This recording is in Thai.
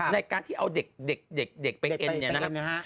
ในการที่เอาเด็กไปเอ็นเนี่ยนะครับ